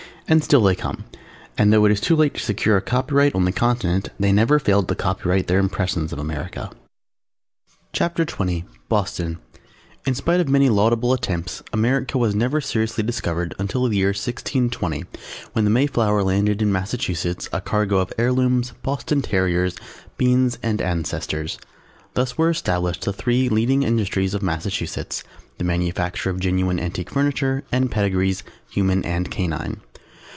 And still they come and though it is too late to secure a copyright on the continent they never fail to copyright their impressions of America. [Illustration: THE MAYFLOWER] CHAPTER XX BOSTON [Illustration: BOSTON And Vicinity] In spite of many laudable attempts, America was never seriously discovered until the year 1620 when the Mayflower landed in Massachusetts a cargo of Heirlooms, Boston Terriers, Beans and Ancestors. Thus were established the three leading industries of Massachusetts, the manufacture of genuine antique furniture and Pedigrees (Human and canine).